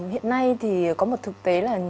hiện nay thì có một thực tế là